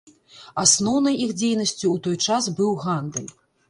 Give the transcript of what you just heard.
Асноўнай іх дзейнасцю ў той час быў гандаль.